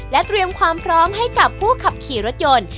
เตรียมความพร้อมให้กับผู้ขับขี่รถยนต์